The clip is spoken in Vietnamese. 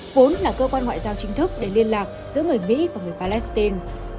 vốn là cơ quan ngoại giao chính thức để liên lạc giữa người mỹ và người palestine